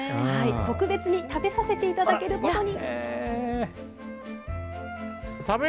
特別に食べさせていただけることに。